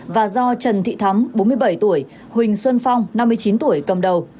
và do trần thị thắm bốn mươi bảy tuổi huỳnh xuân phong năm mươi chín tuổi cầm đầu